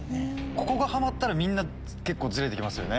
ここがはまったらみんな結構ズレて来ますよね。